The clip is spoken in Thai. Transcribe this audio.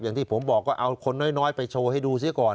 อย่างที่ผมบอกว่าเอาคนน้อยไปโชว์ให้ดูซิก่อน